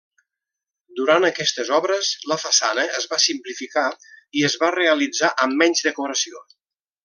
Durant aquestes obres la façana es va simplificar i es va realitzar amb menys decoració.